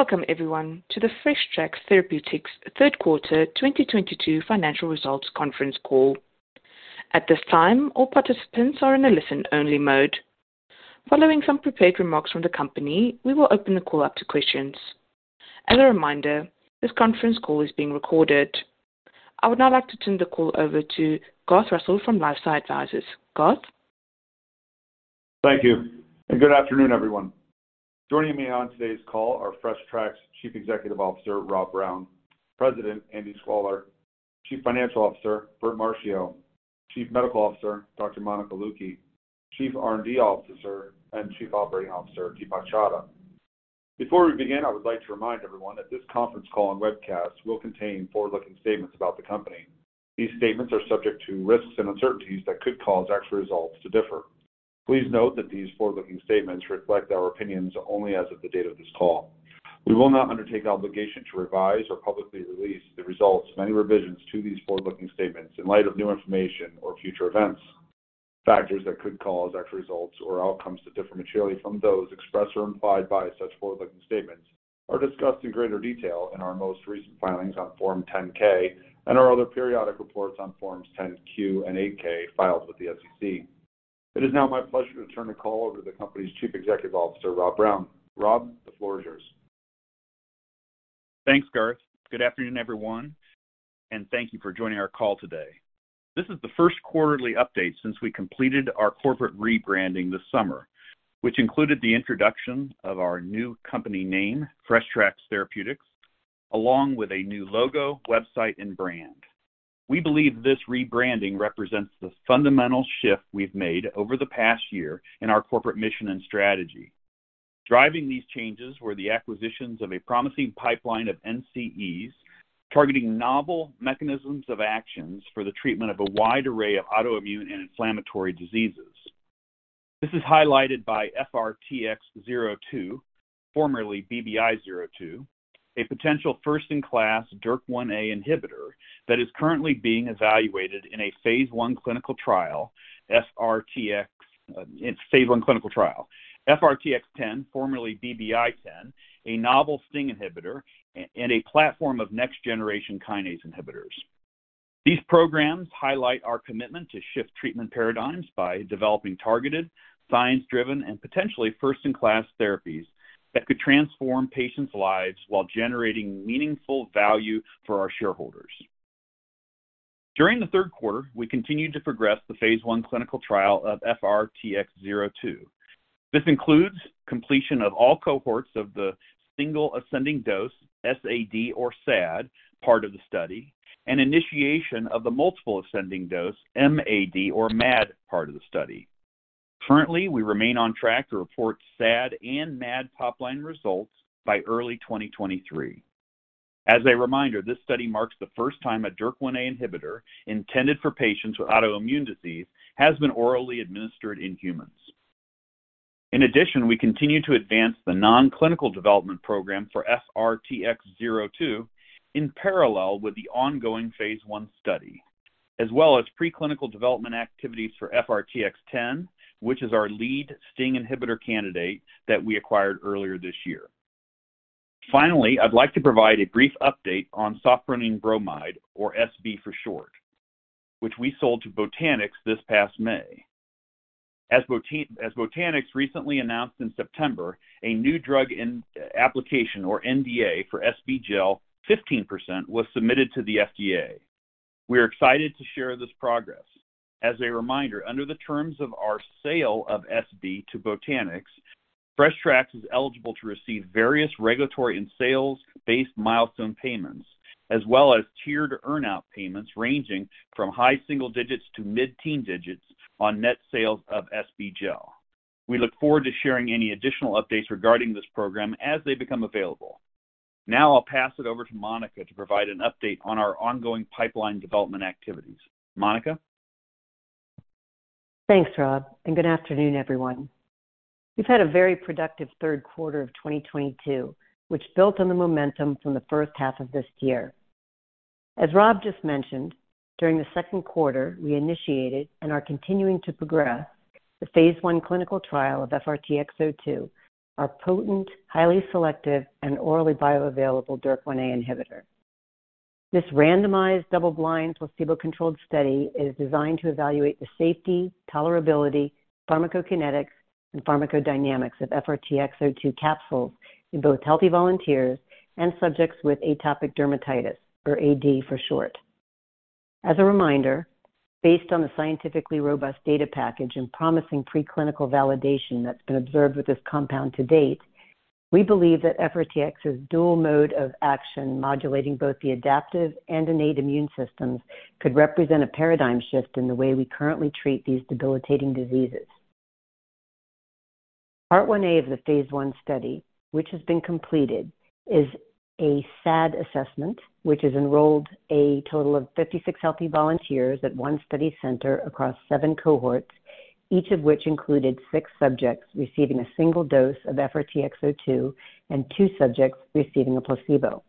Welcome everyone to the Fresh Tracks Therapeutics third quarter 2022 financial results conference call. At this time, all participants are in a listen-only mode. Following some prepared remarks from the company, we will open the call up to questions. As a reminder, this conference call is being recorded. I would now like to turn the call over to Garth Russell from LifeSci Advisors. Garth. Thank you, and good afternoon, everyone. Joining me on today's call are Fresh Tracks Therapeutics Chief Executive Officer, Rob Brown, President, Andrew Sklawer, Chief Financial Officer, Albert Marchio, Chief Medical Officer, Dr. Monica Luchi, Chief R&D Officer and Chief Operating Officer, Deepa Chadha. Before we begin, I would like to remind everyone that this conference call and webcast will contain forward-looking statements about the company. These statements are subject to risks and uncertainties that could cause actual results to differ. Please note that these forward-looking statements reflect our opinions only as of the date of this call. We will not undertake obligation to revise or publicly release the results of any revisions to these forward-looking statements in light of new information or future events. Factors that could cause actual results or outcomes to differ materially from those expressed or implied by such forward-looking statements are discussed in greater detail in our most recent filings on Form 10-K and our other periodic reports on Forms 10-Q and 8-K filed with the SEC. It is now my pleasure to turn the call over to the company's Chief Executive Officer, Robert Brown. Rob, the floor is yours. Thanks, Garth. Good afternoon, everyone, and thank you for joining our call today. This is the first quarterly update since we completed our corporate rebranding this summer, which included the introduction of our new company name, Fresh Tracks Therapeutics, along with a new logo, website, and brand. We believe this rebranding represents the fundamental shift we've made over the past year in our corporate mission and strategy. Driving these changes were the acquisitions of a promising pipeline of NCEs targeting novel mechanisms of actions for the treatment of a wide array of autoimmune and inflammatory diseases. This is highlighted by FRTX-02, formerly BBI-02, a potential first-in-class DYRK1A inhibitor that is currently being evaluated in a phase I clinical trial. FRTX-10, formerly BBI-10, a novel STING inhibitor and a platform of Next-Generation Kinase inhibitors. These programs highlight our commitment to shift treatment paradigms by developing targeted, science-driven, and potentially first-in-class therapies that could transform patients' lives while generating meaningful value for our shareholders. During the third quarter, we continued to progress the phase I clinical trial of FRTX-02. This includes completion of all cohorts of the Single Ascending Dose, SAD or SAD, part of the study, and initiation of the Multiple Ascending Dose, MAD or Mad, part of the study. Currently, we remain on track to report SAD and MAD top-line results by early 2023. As a reminder, this study marks the first time a DYRK1A inhibitor intended for patients with autoimmune disease has been orally administered in humans. In addition, we continue to advance the non-clinical development program for FRTX-02 in parallel with the ongoing phase I study. As well as pre-clinical development activities for FRTX-10, which is our lead STING inhibitor candidate that we acquired earlier this year. Finally, I'd like to provide a brief update on sofpironium bromide or SB for short, which we sold to Botanix this past May. As Botanix recently announced in September, a new drug application or NDA for SB gel, 15% was submitted to the FDA. We are excited to share this progress. As a reminder, under the terms of our sale of SB to Botanix, Fresh Tracks is eligible to receive various regulatory and sales-based milestone payments, as well as tiered earn-out payments ranging from high single digits to mid-teen digits on net sales of SB gel. We look forward to sharing any additional updates regarding this program as they become available. Now I'll pass it over to Monica to provide an update on our ongoing pipeline development activities. Monica. Thanks, Rob, and good afternoon, everyone. We've had a very productive third quarter of 2022, which built on the momentum from the first half of this year. As Rob just mentioned, during the second quarter, we initiated and are continuing to progress the phase I clinical trial of FRTX-02, our potent, highly selective, and orally bioavailable DYRK1A inhibitor. This randomized, double-blind, placebo-controlled study is designed to evaluate the safety, tolerability, pharmacokinetics, and pharmacodynamics of FRTX-02 capsules in both healthy volunteers and subjects with atopic dermatitis, or AD for short. As a reminder, based on the scientifically robust data package and promising preclinical validation that's been observed with this compound to date, we believe that FRTX's dual mode of action modulating both the adaptive and innate immune systems could represent a paradigm shift in the way we currently treat these debilitating diseases. Part 1-A of the phase I study, which has been completed, is a SAD assessment, which has enrolled a total of 56 healthy volunteers at one study center across seven cohorts, each of which included six subjects receiving a single dose of FRTX-02 and two subjects receiving a placebo.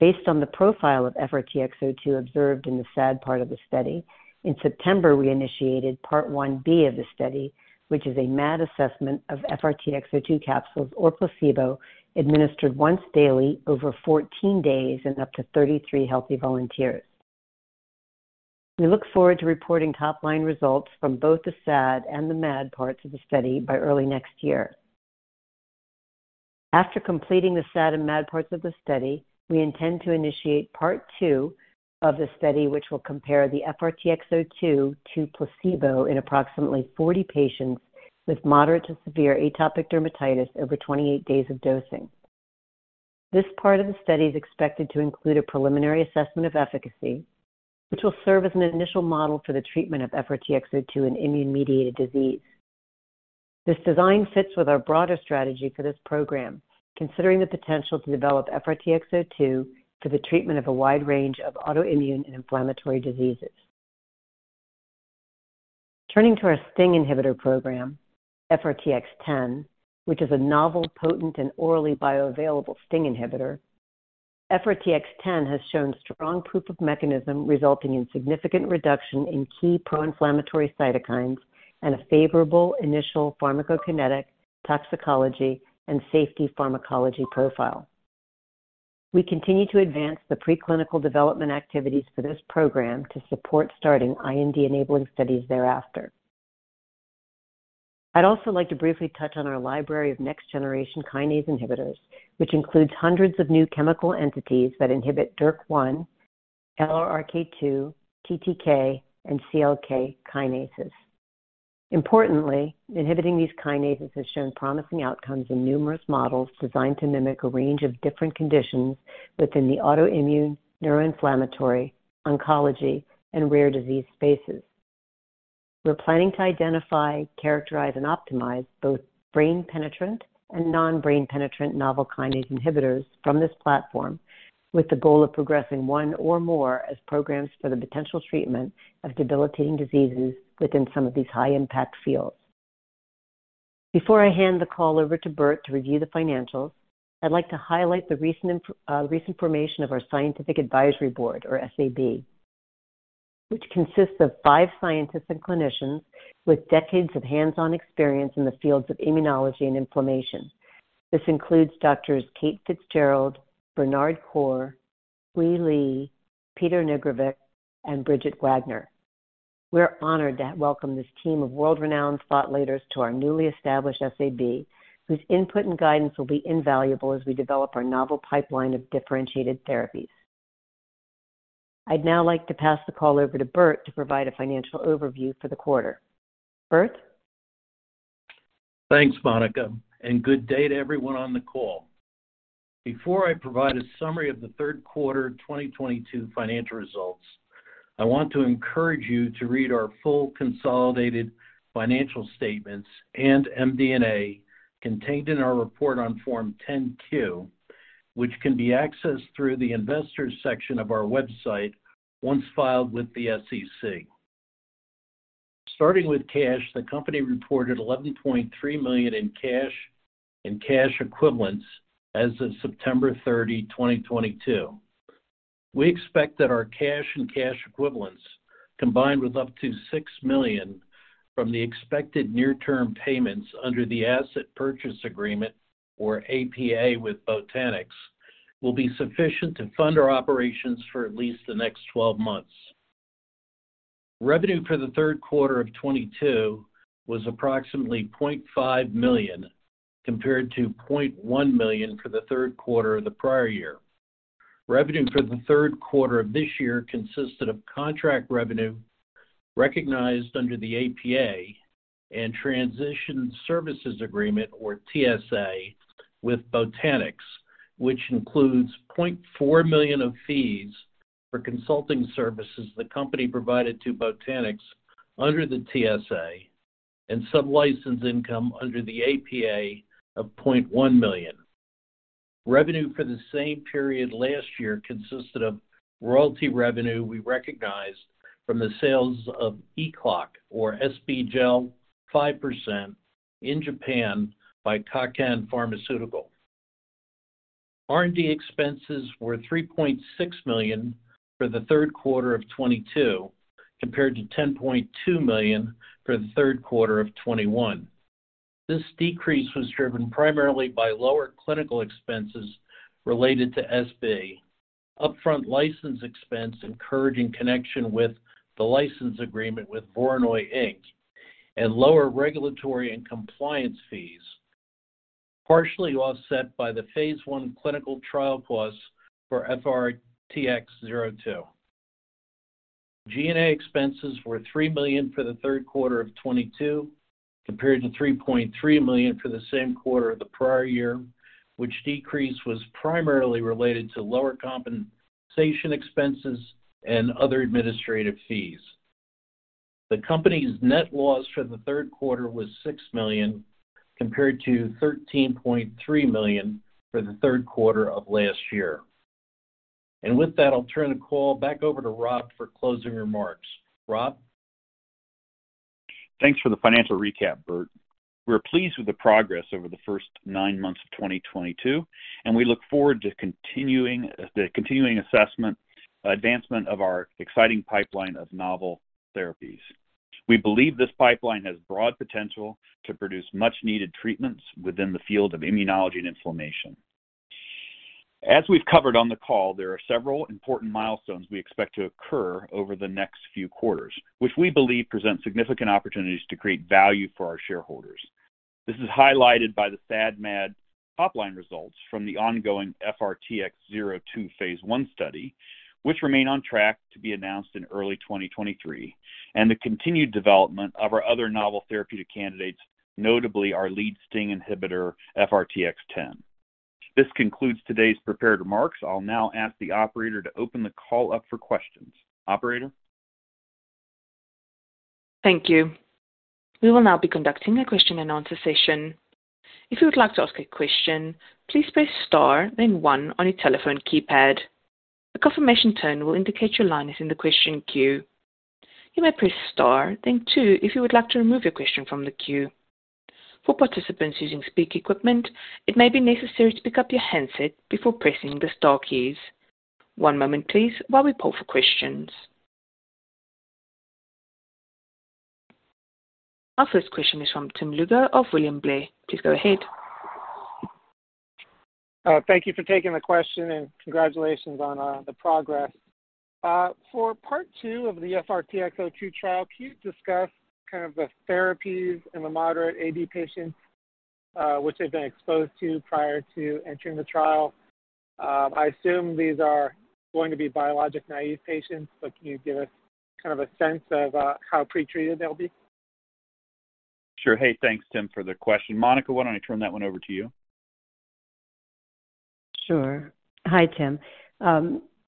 Based on the profile of FRTX-02 observed in the SAD part of the study, in September, we initiated Part 1-B of the study, which is a MAD assessment of FRTX-02 capsules or placebo administered once daily over 14 days in up to 33 healthy volunteers. We look forward to reporting top-line results from both the SAD and the MAD parts of the study by early next year. After completing the SAD and MAD parts of the study, we intend to initiate part two of the study, which will compare the FRTX-02 to placebo in approximately 40 patients with moderate to severe atopic dermatitis over 28 days of dosing. This part of the study is expected to include a preliminary assessment of efficacy, which will serve as an initial model for the treatment of FRTX-02 in immune-mediated disease. This design fits with our broader strategy for this program, considering the potential to develop FRTX-02 for the treatment of a wide range of autoimmune and inflammatory diseases. Turning to our STING inhibitor program, FRTX-10, which is a novel, potent, and orally bioavailable STING inhibitor. FRTX-10 has shown strong proof of mechanism resulting in significant reduction in key pro-inflammatory cytokines and a favorable initial pharmacokinetic, toxicology, and safety pharmacology profile. We continue to advance the preclinical development activities for this program to support starting IND-enabling studies thereafter. I'd also like to briefly touch on our library of next-generation kinase inhibitors, which includes hundreds of new chemical entities that inhibit DYRK1, LRRK2, TTK, and CLK kinases. Importantly, inhibiting these kinases has shown promising outcomes in numerous models designed to mimic a range of different conditions within the autoimmune, neuroinflammatory, oncology, and rare disease spaces. We're planning to identify, characterize, and optimize both brain-penetrant and non-brain-penetrant novel kinase inhibitors from this platform with the goal of progressing one or more as programs for the potential treatment of debilitating diseases within some of these high-impact fields. Before I hand the call over to Bert to review the financials, I'd like to highlight the recent formation of our Scientific Advisory Board or SAB, which consists of five scientists and clinicians with decades of hands-on experience in the fields of immunology and inflammation. This includes doctors Katherine Fitzgerald, Bernard Khor, Pui Lee, Peter Nigrovic, and Denisa Wagner. We're honored to welcome this team of world-renowned thought leaders to our newly established SAB, whose input and guidance will be invaluable as we develop our novel pipeline of differentiated therapies. I'd now like to pass the call over to Bert to provide a financial overview for the quarter. Bert? Thanks, Monica, and good day to everyone on the call. Before I provide a summary of the third quarter 2022 financial results, I want to encourage you to read our full consolidated financial statements and MD&A contained in our report on Form 10-Q, which can be accessed through the investors section of our website once filed with the SEC. Starting with cash, the company reported $11.3 million in cash and cash equivalents as of September 30, 2022. We expect that our cash and cash equivalents, combined with up to $6 million from the expected near-term payments under the asset purchase agreement or APA with Botanix, will be sufficient to fund our operations for at least the next 12 months. Revenue for the third quarter of 2022 was approximately $0.5 million compared to $0.1 million for the third quarter of the prior year. Revenue for the third quarter of this year consisted of contract revenue recognized under the APA and transition services agreement or TSA with Botanix, which includes $0.4 million of fees for consulting services the company provided to Botanix under the TSA and sublicense income under the APA of $0.1 million. Revenue for the same period last year consisted of royalty revenue we recognized from the sales of ECCLOCK or SB gel 5% in Japan by Kaken Pharmaceutical. R&D expenses were $3.6 million for the third quarter of 2022 compared to $10.2 million for the third quarter of 2021. This decrease was driven primarily by lower clinical expenses related to SB, upfront license expense incurred in connection with the license agreement with Voronoi Inc, and lower regulatory and compliance fees, partially offset by the phase I clinical trial costs for FRTX-02. G&A expenses were $3 million for the third quarter of 2022 compared to $3.3 million for the same quarter of the prior year, which decrease was primarily related to lower compensation expenses and other administrative fees. The company's net loss for the third quarter was $6 million compared to $13.3 million for the third quarter of last year. With that, I'll turn the call back over to Rob for closing remarks. Rob? Thanks for the financial recap, Burt. We're pleased with the progress over the first nine months of 2022, and we look forward to continuing the advancement of our exciting pipeline of novel therapies. We believe this pipeline has broad potential to produce much needed treatments within the field of immunology and inflammation. As we've covered on the call, there are several important milestones we expect to occur over the next few quarters, which we believe present significant opportunities to create value for our shareholders. This is highlighted by the SAD/MAD top-line results from the ongoing FRTX-02 phase I study, which remain on track to be announced in early 2023, and the continued development of our other novel therapeutic candidates, notably our lead STING inhibitor, FRTX-10. This concludes today's prepared remarks. I'll now ask the operator to open the call up for questions. Operator? Thank you. We will now be conducting a question and answer session. If you would like to ask a question, please press star then one on your telephone keypad. A confirmation tone will indicate your line is in the question queue. You may press star then two if you would like to remove your question from the queue. For participants using speak equipment, it may be necessary to pick up your handset before pressing the star keys. One moment please while we poll for questions. Our first question is from Tim Lugo of William Blair. Please go ahead. Thank you for taking the question, and congratulations on the progress. For part two of the FRTX-02 trial, can you discuss kind of the therapies in the moderate AD patients, which they've been exposed to prior to entering the trial? I assume these are going to be biologic naive patients, but can you give us kind of a sense of how pretreated they'll be? Sure. Hey, thanks, Tim, for the question. Monica, why don't I turn that one over to you? Sure. Hi, Tim.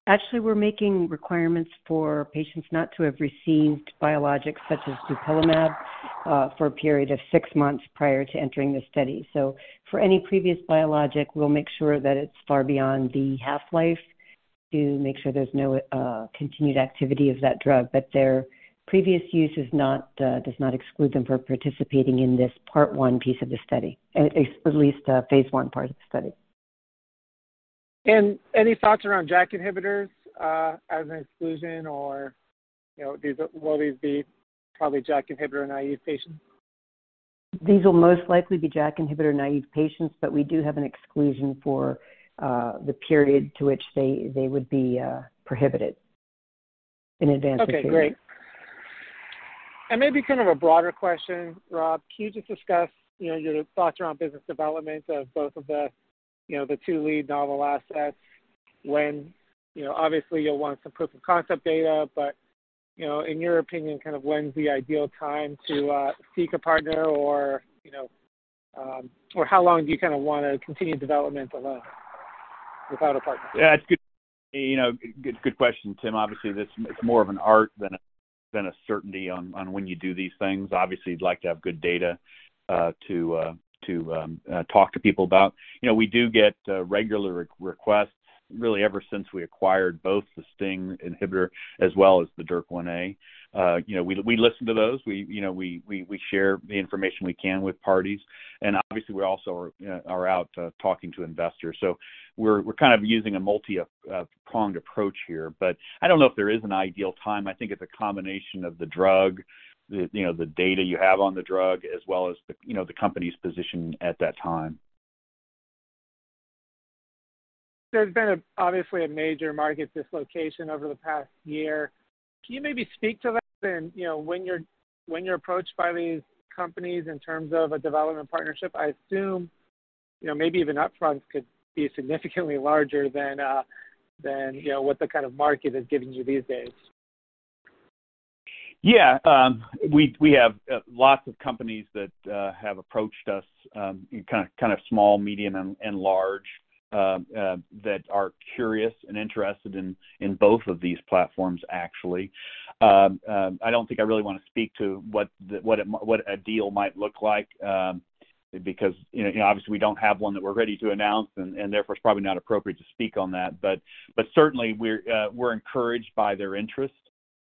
Actually, we're making requirements for patients not to have received biologics such as dupilumab for a period of six months prior to entering the study. For any previous biologic, we'll make sure that it's far beyond the half-life to make sure there's no continued activity of that drug. Their previous use does not exclude them from participating in this part one piece of the study, phase one part of the study. Any thoughts around JAK inhibitors as an exclusion or, you know, will these be probably JAK inhibitor-naive patients? These will most likely be JAK inhibitor-naive patients, but we do have an exclusion for the period to which they would be prohibited in advance of Okay, great. Maybe kind of a broader question, Rob. Can you just discuss, you know, your thoughts around business development of both of the, you know, the two lead novel assets when, you know, obviously you'll want some proof of concept data, but, you know, in your opinion, kind of when's the ideal time to seek a partner or, you know, or how long do you kinda wanna continue development alone without a partner? Yeah, it's good. You know, good question, Tim. Obviously, this is more of an art than a certainty on when you do these things. Obviously, you'd like to have good data to talk to people about. You know, we do get regular requests really ever since we acquired both the STING inhibitor as well as the DYRK1A. You know, we listen to those. We share the information we can with parties. Obviously we also are out talking to investors. We're kind of using a multi-pronged approach here. I don't know if there is an ideal time. I think it's a combination of the drug, you know, the data you have on the drug, as well as, you know, the company's position at that time. There's been obviously a major market dislocation over the past year. Can you maybe speak to that? You know, when you're approached by these companies in terms of a development partnership, I assume, you know, maybe even upfront could be significantly larger than, you know, what the kind of market is giving you these days? Yeah. We have lots of companies that have approached us, kind of small, medium, and large, that are curious and interested in both of these platforms, actually. I don't think I really wanna speak to what a deal might look like, because, you know, obviously we don't have one that we're ready to announce, and therefore it's probably not appropriate to speak on that. Certainly we're encouraged by their interest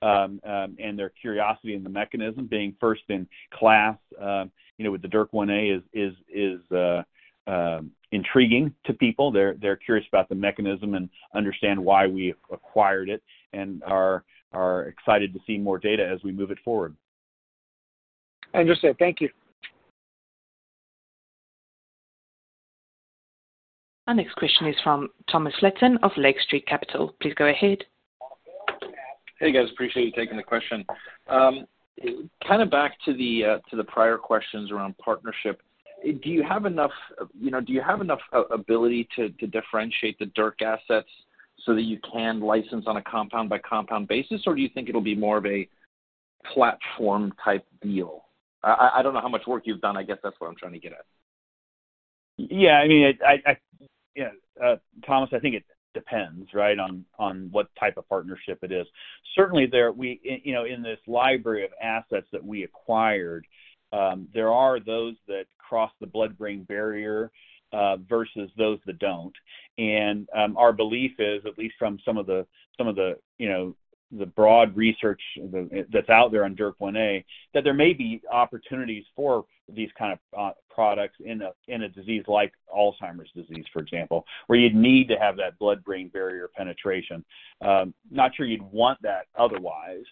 and their curiosity in the mechanism being first in class, you know, with the DYRK1A is intriguing to people. They're curious about the mechanism and understand why we acquired it and are excited to see more data as we move it forward. Understood. Thank you. Our next question is from Thomas Flaten of Lake Street Capital. Please go ahead. Hey, guys. Appreciate you taking the question. Kinda back to the prior questions around partnership, do you have enough ability to differentiate the DYRK assets so that you can license on a compound by compound basis? Or do you think it'll be more of a platform type deal? I don't know how much work you've done. I guess that's what I'm trying to get at. Yeah, I mean, Yeah, Thomas, I think it depends, right, on what type of partnership it is. Certainly, you know, in this library of assets that we acquired, there are those that cross the blood-brain barrier, versus those that don't. Our belief is, at least from some of the, you know, the broad research that's out there on DYRK1A, that there may be opportunities for these kind of products in a disease like Alzheimer's disease, for example, where you'd need to have that blood-brain barrier penetration. Not sure you'd want that otherwise.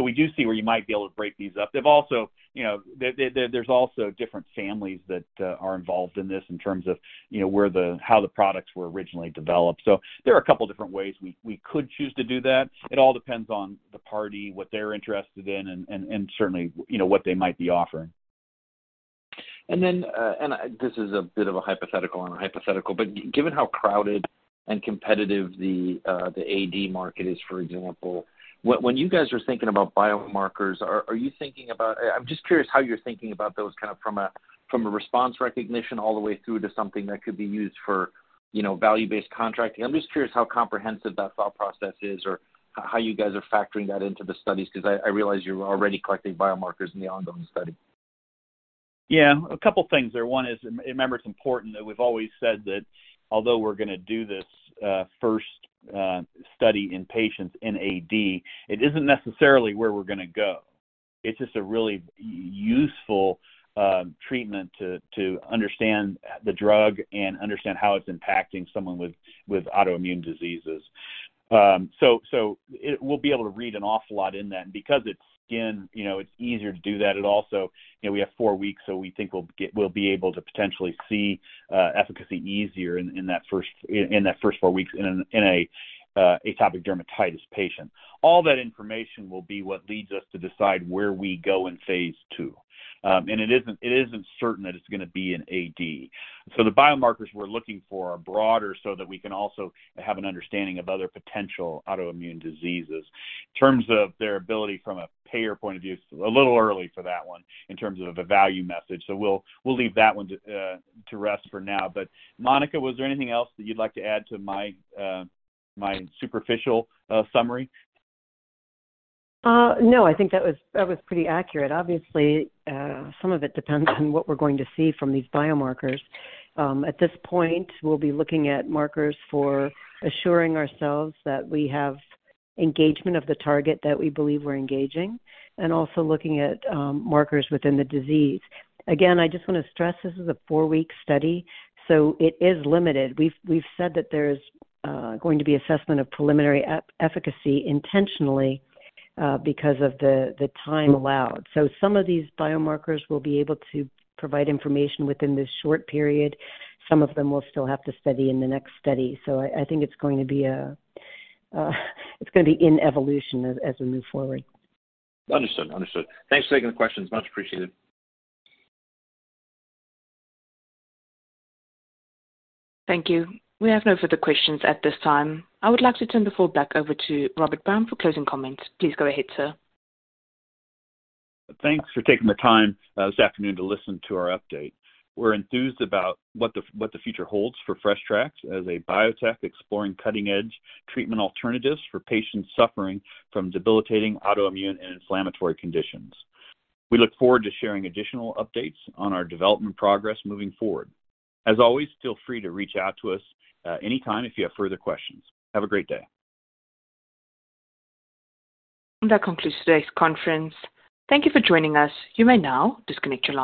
We do see where you might be able to break these up. They've also, you know, there's also different families that are involved in this in terms of, you know, where the, how the products were originally developed. There are a couple different ways we could choose to do that. It all depends on the party, what they're interested in and certainly, you know, what they might be offering. This is a bit of a hypothetical on a hypothetical, but given how crowded and competitive the AD market is, for example, when you guys are thinking about biomarkers, are you thinking about. I'm just curious how you're thinking about those kind of from a response recognition all the way through to something that could be used for, you know, value-based contracting. I'm just curious how comprehensive that thought process is or how you guys are factoring that into the studies, 'cause I realize you're already collecting biomarkers in the ongoing study. Yeah. A couple things there. One is, remember, it's important that we've always said that although we're gonna do this first study in patients in AD, it isn't necessarily where we're gonna go. It's just a really useful treatment to understand the drug and understand how it's impacting someone with autoimmune diseases. So we'll be able to read an awful lot in that because it's skin, you know, it's easier to do that. It also, you know, we have four weeks, so we think we'll be able to potentially see efficacy easier in that first four weeks in an atopic dermatitis patient. All that information will be what leads us to decide where we go in phase II. It isn't certain that it's gonna be an AD. The biomarkers we're looking for are broader so that we can also have an understanding of other potential autoimmune diseases. In terms of their ability from a payer point of view, it's a little early for that one in terms of a value message. We'll leave that one to rest for now. Monica, was there anything else that you'd like to add to my superficial summary? No, I think that was pretty accurate. Obviously, some of it depends on what we're going to see from these biomarkers. At this point, we'll be looking at markers for assuring ourselves that we have engagement of the target that we believe we're engaging and also looking at markers within the disease. Again, I just wanna stress this is a four-week study, so it is limited. We've said that there's going to be assessment of preliminary efficacy intentionally, because of the time allowed. So some of these biomarkers will be able to provide information within this short period. Some of them we'll still have to study in the next study. So I think it's going to be in evolution as we move forward. Understood. Thanks for taking the questions. Much appreciated. Thank you. We have no further questions at this time. I would like to turn the floor back over to Robert Brown for closing comments. Please go ahead, sir. Thanks for taking the time this afternoon to listen to our update. We're enthused about what the future holds for Fresh Tracks as a biotech exploring cutting-edge treatment alternatives for patients suffering from debilitating autoimmune and inflammatory conditions. We look forward to sharing additional updates on our development progress moving forward. As always, feel free to reach out to us anytime if you have further questions. Have a great day. That concludes today's conference. Thank you for joining us. You may now disconnect your lines.